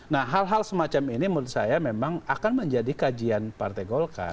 nah hal hal semacam ini menurut saya memang akan menjadi kajian partai golkar